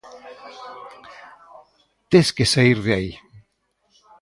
Tes que saír de aí!